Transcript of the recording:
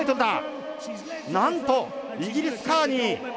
なんと、イギリス、カーニー